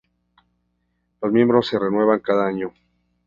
Los miembros se renuevan cada año.